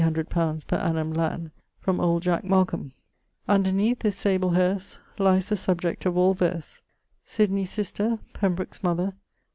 _ per annum land from old Jack Markham Underneath this sable hearse Lies the subject of all verse: Sydney's sister, Pembroke's mother.